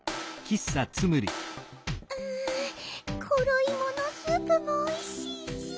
うんころいものスープもおいしいしうん。